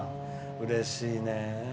うれしいね。